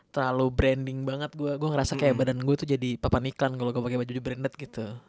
terlalu branding banget gue ngerasa kayak badan gue tuh jadi papan iklan kalo gue pakai baju di branded gitu